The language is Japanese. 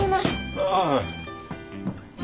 ああ。